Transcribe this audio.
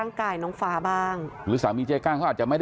แต่ในคลิปนี้มันก็ยังไม่ชัดนะว่ามีคนอื่นนอกจากเจ๊กั้งกับน้องฟ้าหรือเปล่าเนอะ